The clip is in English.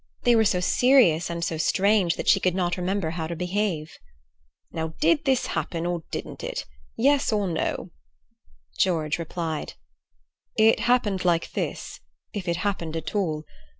They were so serious and so strange that she could not remember how to behave. "Now, did this happen, or didn't it? Yes or no?" George replied: "It happened like this, if it happened at all.